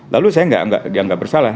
lalu saya gak bersalah